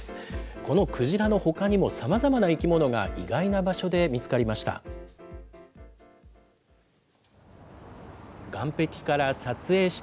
このクジラのほかにも、さまざまな生き物が意外な場所で見つかりました。